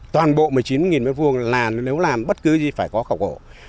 toàn bộ một mươi chín m hai là nếu làm bất cứ gì phải có khảo cổ